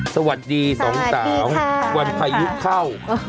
สวัสดีค่ะ